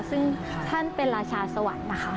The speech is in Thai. ซึ่งท่านเป็นราชาสวรรค์นะคะ